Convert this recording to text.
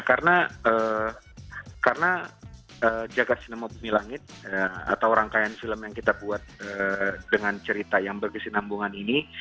karena jaga cinema bumi langit atau rangkaian film yang kita buat dengan cerita yang berkesinambungan ini